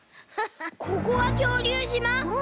ここはきょうりゅうじま？